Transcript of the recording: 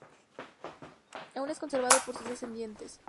Aún es conservado por sus descendientes.